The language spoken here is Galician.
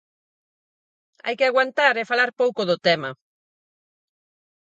Hai que aguantar e falar pouco do tema.